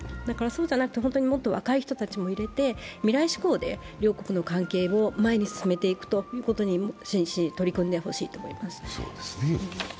そうじゃなくて、もっと若い人たちも入れて、未来志向で両国の関係を前に進めていくということに真摯に取り組んでほしいと思います。